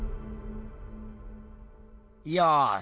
よし。